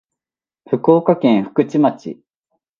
福岡県福智町